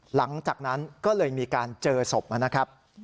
หลังจากนั้นก็เลยมีการเจอศพนะครับ